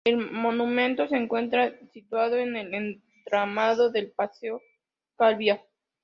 El monumento se encuentra situado en el entramado del Paseo Calviá.